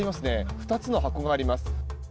２つの箱があります。